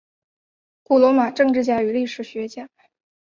古罗马政治家与历史学家。